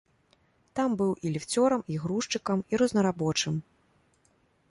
Там быў і ліфцёрам, і грузчыкам, і рознарабочым.